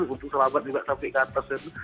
untuk selamat juga tapi kata saya